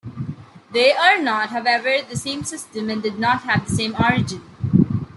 They are not, however, the same system and did not have the same origin.